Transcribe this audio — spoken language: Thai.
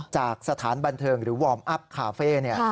จากสถานบันเทิงหรือวอร์มอัพคาเฟ่